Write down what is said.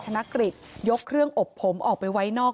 หมาก็เห่าตลอดคืนเลยเหมือนมีผีจริง